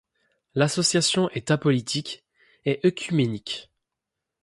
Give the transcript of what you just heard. L'association est apolitique et œcuménique.